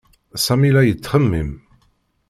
Sami la yettxemmim.